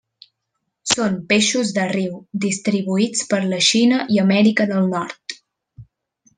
Són peixos de riu distribuïts per la Xina i Amèrica del Nord.